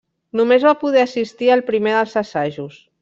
Només va poder assistir al primer dels assajos.